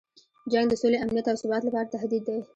جنګ د سولې، امنیت او ثبات لپاره تهدید دی.